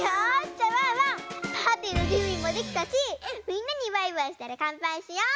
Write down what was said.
じゃあワンワンパーティーのじゅんびもできたしみんなにバイバイしたらかんぱいしよう！